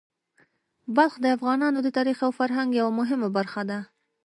بلخ د افغانانو د تاریخ او فرهنګ یوه مهمه برخه ده.